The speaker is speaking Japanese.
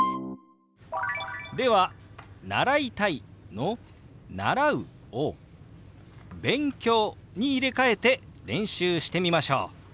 では「習いたい」の「習う」を「勉強」に入れ替えて練習してみましょう。